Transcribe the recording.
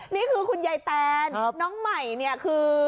นี่คือคุณยายแตนครับน้องใหม่เนี้ยคือ